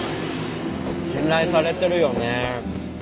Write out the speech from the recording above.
信頼されてるよね。